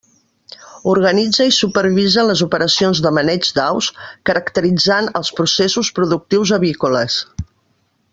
Organitza i supervisa les operacions de maneig d'aus, caracteritzant els processos productius avícoles.